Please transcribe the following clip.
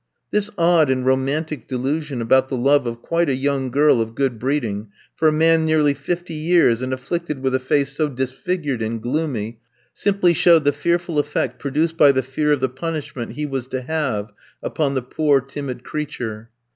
This odd and romantic delusion about the love of quite a young girl of good breeding, for a man nearly fifty years and afflicted with a face so disfigured and gloomy, simply showed the fearful effect produced by the fear of the punishment he was to have, upon the poor, timid creature.